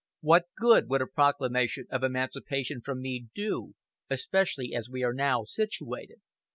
What good would a proclamation of emancipation from me do, especially as we are now situated?